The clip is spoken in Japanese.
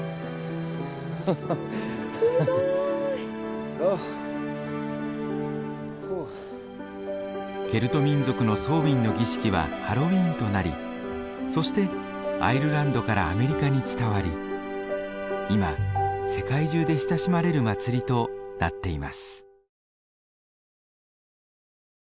すごい！ケルト民族のソーウィンの儀式はハロウィーンとなりそしてアイルランドからアメリカに伝わり今世界中で親しまれる祭りとなっています。